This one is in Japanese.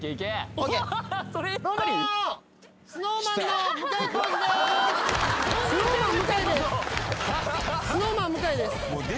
ＯＫＳｎｏｗＭａｎ向井です